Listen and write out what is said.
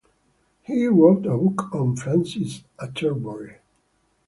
He wrote a book on Francis Atterbury.